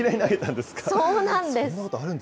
そうなんです。